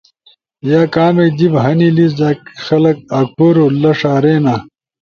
۔ یا کامک جیِب ہنی لیس جا خلگ آکھُورو لݜا رینا؟